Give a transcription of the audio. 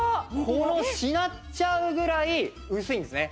こうしなっちゃうぐらい薄いんですね。